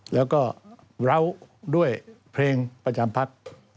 แล้วก็เล้าด้วยเพลงประจำพัก